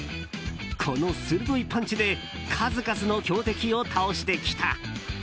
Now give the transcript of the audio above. この鋭いパンチで数々の強敵を倒してきた。